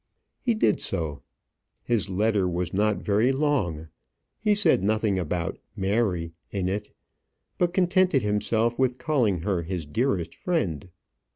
He did so. His letter was not very long. He said nothing about "Mary" in it, but contented himself with calling her his dearest friend.